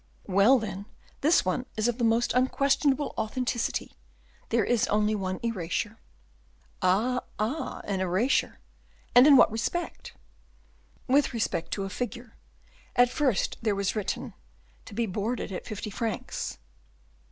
"Well, then, this one is of the most unquestionable authenticity; there is only one erasure." "Ah, ah! an erasure; and in what respect?" "With respect to a figure. At first there was written: 'To be boarded at fifty francs.